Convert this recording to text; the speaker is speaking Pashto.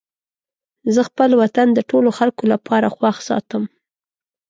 زه خپل وطن د ټولو خلکو لپاره خوښ ساتم.